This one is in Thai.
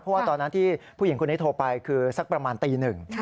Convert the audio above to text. เพราะว่าตอนนั้นที่ผู้หญิงคนนี้โทรไปคือสักประมาณตีหนึ่ง